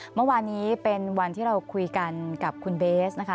เมื่อวานนี้เป็นวันที่เราคุยกันกับคุณเบสนะคะ